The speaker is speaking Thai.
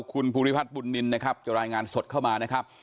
คุณภูริพัฒน์บุญนินนะครับจะรายงานสดเข้ามานะครับ